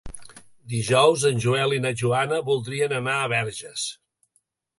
Dijous en Joel i na Joana voldrien anar a Verges.